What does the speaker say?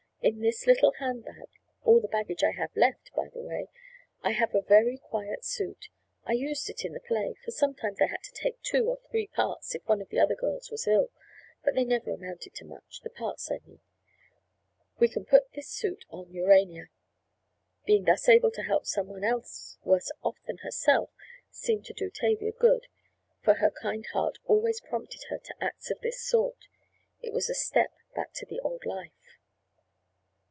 In this little hand bag—all the baggage I have left by the way—I have a very quiet suit. I used it in the play, for sometimes I had to take two or three parts if one of the other girls was ill, but they never amounted to much—the parts I mean. We can put this suit on Urania." Being thus able to help some one else worse off than herself seemed to do Tavia good for her kind heart always prompted her to acts of this sort. It was a step back into the old life.